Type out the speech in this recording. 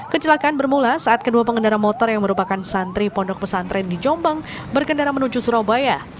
kecelakaan bermula saat kedua pengendara motor yang merupakan santri pondok pesantren di jombang berkendara menuju surabaya